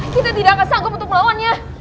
kita tidak akan sanggup untuk melawannya